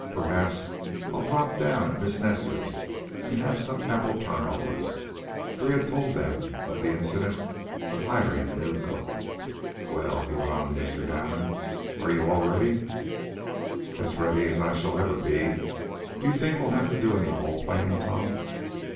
"Perhaps I'll drop down at Miss Nestor's, and have some apple turnovers," for he had told them or the incident of hiring the new cook. "Well," he went on to Mr. Damon, "are you all ready?" "As ready as I ever shall be. Do you think we'll have to do any vol planing, Tom?"